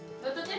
yuk duduk sini yuk